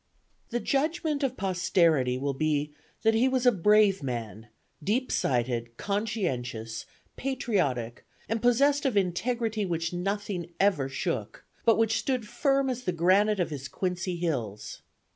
"The judgment of posterity will be, that he was a brave man, deep sighted, conscientious, patriotic, and possessed of Integrity which nothing ever shook, but which stood firm as the granite of his Quincy Hills.